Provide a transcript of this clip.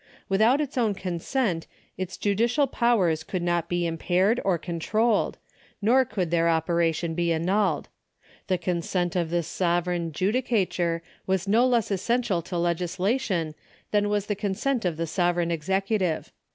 Without its own consent its judicial i)Owers could not be impaired or controlled, nor coixld their operation be annulled. The consent of this sovereign judicature was no less essential to legislation, than was the consiMit of the sovereign executive.